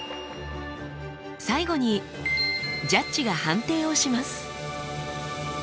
最後にジャッジが判定をします。